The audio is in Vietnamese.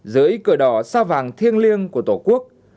dưới cửa đỏ sao vàng thiêng liêng của tổ quốc